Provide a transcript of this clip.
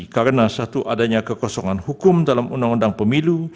karena satu adanya kekosongan hukum dalam undang undang pemilu